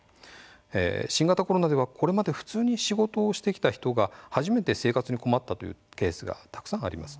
新型コロナでは、これまで普通に仕事をしてきた人が初めて生活に困ったというケースがたくさんあります。